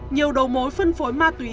nhiều đầu mối phân phối ma túy